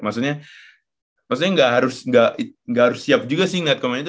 maksudnya gak harus siap juga sih ngeliat komen itu